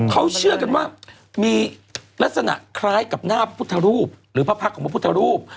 เขาเชื่อกันว่ามีลักษณะคล้ายกับหน้าพุทธรูปหรือพระพักษ์ของพระพุทธรูป